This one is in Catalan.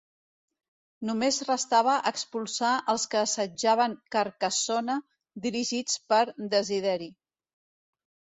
Només restava expulsar als que assetjaven Carcassona dirigits per Desideri.